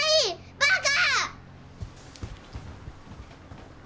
バカ！